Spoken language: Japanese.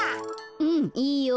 うんいいよ。